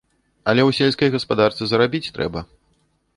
Але ў сельскай гаспадарцы зарабіць трэба.